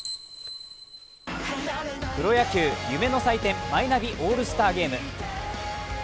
プロ野球・夢の祭典マイナビオールスターゲーム。